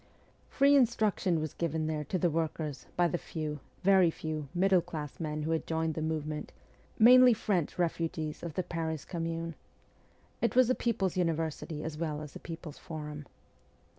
Free instruction was given there to the workers by the few, very few, middle class men who had joined the movement, mainly French refugees of the Paris Commune. It was a people's university as well as a people's forum.